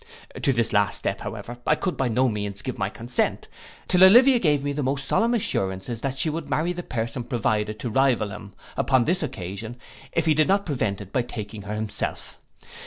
To this last step, however, I would by no means give my consent, till Olivia gave me the most solemn assurances that she would marry the person provided to rival him upon this occasion, if he did not prevent it, by taking her himself.